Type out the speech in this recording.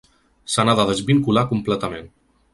Se n’ha de desvincular completament.